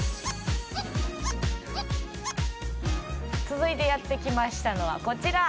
続いてやって来ましたのはこちら。